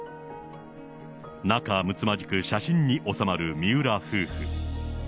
仲むつまじく写真に収まる三浦夫婦。